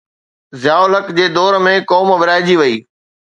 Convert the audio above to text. ضياءُ الحق جي دور ۾ قوم ورهائجي وئي.